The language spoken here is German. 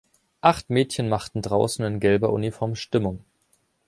Acht Mädchen machten draußen in gelber Uniform Stimmung.